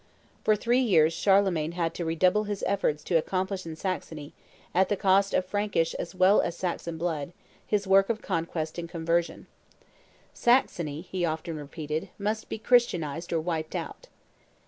For three years Charlemagne had to redouble his efforts to accomplish in Saxony, at the cost of Frankish as well as Saxon blood, his work of conquest and conversion: "Saxony," he often repeated, "must be christianized or wiped out."